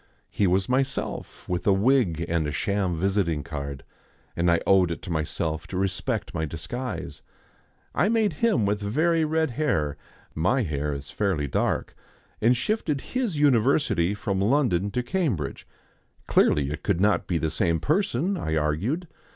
He was myself with a wig and a sham visiting card, and I owed it to myself to respect my disguise. I made him with very red hair my hair is fairly dark and shifted his university from London to Cambridge. Clearly it could not be the same person, I argued.